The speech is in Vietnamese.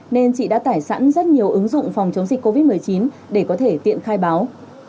nên chị đã tải sẵn rất nhiều ứng dụng phòng chống dịch covid một mươi chín để có thể tiện khai báo